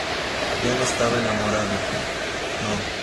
yo no estaba enamorada. no.